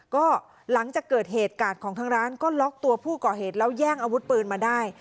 ก็หลังจากเกิดเหตุกาดของทางร้านก็ล็อกตัวผู้ก่อเหตุแล้วแย่งอาวุธปืนมาได้